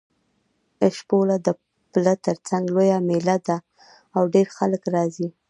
شپوله د پله تر څنګ لویه مېله ده او ډېر خلک راځي.